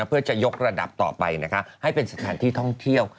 เพื่อจะยกระดับต่อไปนะคะให้เป็นสถานที่ท่องเที่ยว